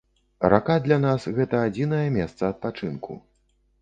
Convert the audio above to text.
Рака для нас, гэта адзінае месца адпачынку.